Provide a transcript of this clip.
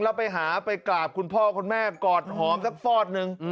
แล้วไปหาไปกราบคุณพ่อคุณแม่กอดหอมสักฟอดนึง